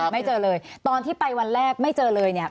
ไม่เจอเลยตอนที่ไปวันแรกไม่เจอเลยเนี่ย